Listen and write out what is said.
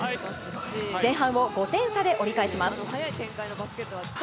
前半を５点差で折り返します。